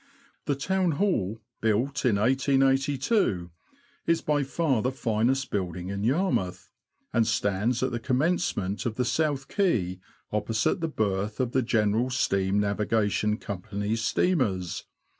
The Town Hall, built in 1882, is by far the finest building in Yarmouth, and stands at the commencement of the South Quay, opposite the berth of the General NORWICH TO YARMOUTH. 103 Steam Navigation Company's steamers.